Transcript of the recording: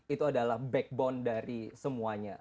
itu adalah backbone dari semuanya